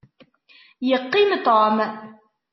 Yeqqim Tom.